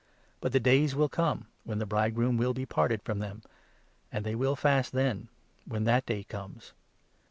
But the days will come, when the 20 bridegroom will He parted from them, and they will fast then — when that day comes.